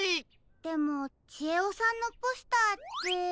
でもちえおさんのポスターって。